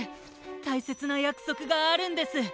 たいせつなやくそくがあるんです！